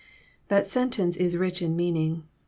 " That sentence is rich in meaning.